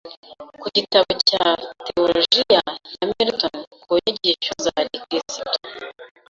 ku gitabo cya tewolojiya ya Milton Ku nyigisho za gikirisitu